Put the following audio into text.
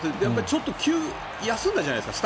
ちょっと休んだじゃないですか。